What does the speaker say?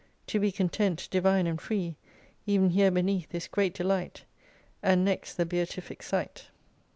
To be content, divine, and free, Even here beneath is great delight And next the Beatific Sight.